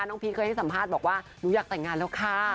พีชเคยให้สัมภาษณ์บอกว่าหนูอยากแต่งงานแล้วค่ะ